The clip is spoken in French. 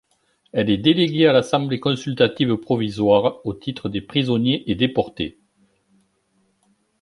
Elle est déléguée à l'Assemblée consultative provisoire au titre des prisonniers et déportés.